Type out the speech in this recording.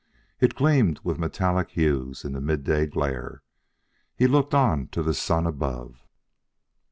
It gleamed with metallic hues in the midday glare. He looked on to the sun above.